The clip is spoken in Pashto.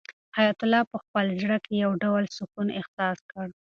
حیات الله په خپل زړه کې یو ډول سکون احساس کړ.